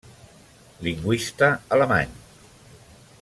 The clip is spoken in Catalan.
Lingüista alemany.